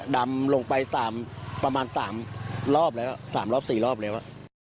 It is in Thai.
ดำลงไปประมาณ๓รอบแล้ว๓รอบ๔รอบแล้ว